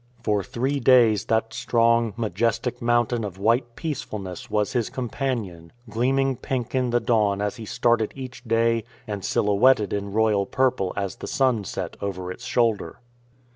For three days that strong, majestic mountain of white peacefulness was his com panion, gleaming pink in the dawn as he started each day and silhouetted in royal purple as the sun set over its shoulder.